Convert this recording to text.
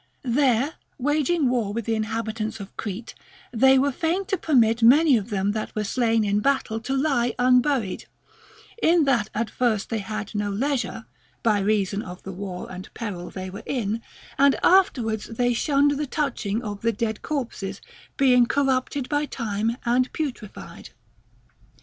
There waging war with the inhabitants of Crete, they were fain to permit many of them that were slain in battle to lie un buried ; in that at first they had no leisure, by reason of the war and peril they were in, and afterwards they shunned the touching of the dead corpses, being corrupted by time and putrefied.